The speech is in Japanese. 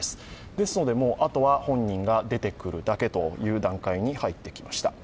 ですので、あとは本人が出てくるだけという段階に入ってきました。